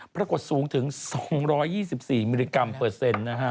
ปรากฏสูงถึง๒๒๔มิลลิกรัมเปอร์เซ็นต์นะฮะ